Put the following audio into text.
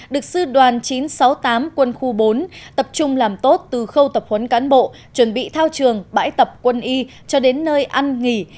được sư đoàn chín trăm sáu mươi tám quân khu bốn tập trung làm tốt từ khâu tập huấn cán bộ chuẩn bị thao trường bãi tập quân y cho đến nơi ăn nghỉ